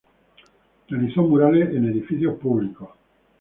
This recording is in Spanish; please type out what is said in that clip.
Realizó murales en edificios públicos.